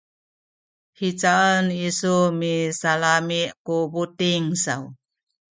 hicaen isu misalami’ ku buting saw?